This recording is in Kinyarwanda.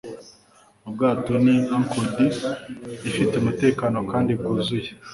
Ubwato ni ankord ifite umutekano kandi bwuzuye